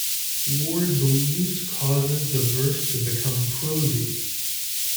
Ward believes causes the verse to become "prosy".